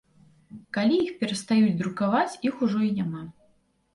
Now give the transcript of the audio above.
Калі іх перастаюць друкаваць, іх ужо і няма.